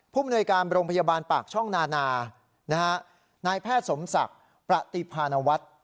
มนวยการโรงพยาบาลปากช่องนานานายแพทย์สมศักดิ์ประติพาณวัฒน์